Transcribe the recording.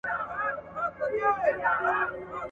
زه اوږده وخت د ښوونځی لپاره تياری کوم؟!